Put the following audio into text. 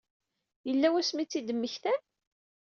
Yella wasmi i tt-id-temmektam?